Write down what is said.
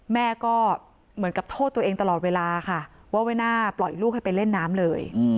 แม่ก็เหมือนกับโทษตัวเองตลอดเวลาค่ะว่าไม่น่าปล่อยลูกให้ไปเล่นน้ำเลย